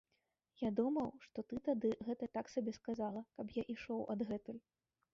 Я думаў, што ты тады гэта так сабе сказала, каб я ішоў адгэтуль.